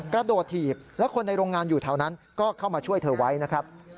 กระโดดถีบและคนในโรงงานอยู่แถวนั้นก็เข้ามาช่วยเธอไว้นะครับ